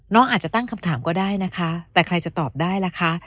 น้องอาจจะตั้งคำถามก็ได้นะคะแต่ใครจะตอบได้ล่ะคะ